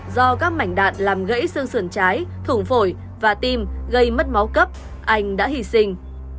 do các mảnh đạn làm gãy xương sườn trái thủng phổi và tim gây mất máu cấp anh đã hy sinh